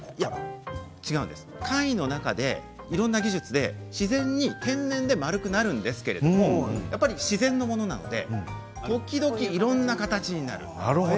貝の中で、いろんな技術で自然に天然で丸くなるんですけれど自然のものなので時々いろんな形になるんです。